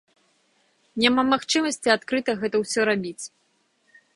Няма магчымасці адкрыта гэта ўсё рабіць.